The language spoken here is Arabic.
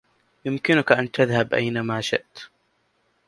يمكنك أن تذهب أينما شئت.